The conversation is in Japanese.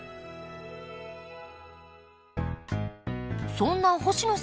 そんな星野さん